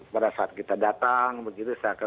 pada saat kita datang begitu setelah